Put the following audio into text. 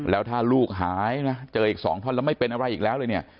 แล้วถ้าลูกหายนะเจออีก๒ท่อนแล้วไม่เป็นอะไรอีกแล้วเลยเนี่ย